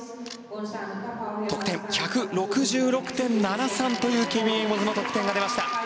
得点、１６６．７３というケビン・エイモズの得点が出ました。